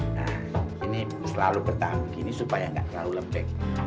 nah ini selalu bertahan begini supaya nggak terlalu lembek